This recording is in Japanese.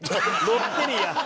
ロッテリア。